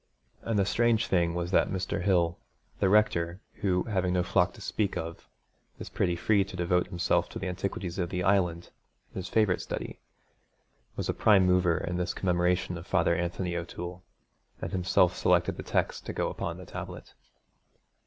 And the strange thing was that Mr. Hill, the rector, who, having no flock to speak of, is pretty free to devote himself to the antiquities of the Island, his favourite study, was a prime mover in this commemoration of Father Anthony O'Toole, and himself selected the text to go upon the tablet.